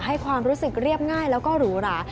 ให้ความรู้สึกเรียบง่ายแล้วก็หรูหรา